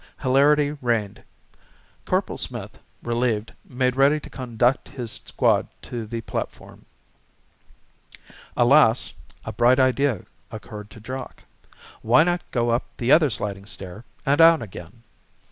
Hilarity reigned. Corporal Smith, relieved, made ready to conduct his squad to the platform. Alas, a bright idea occurred to Jock. Why not go up the other sliding stair and down again?